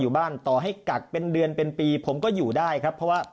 อยู่บ้านต่อให้กักเป็นเดือนเป็นปีผมก็อยู่ได้ครับเพราะว่า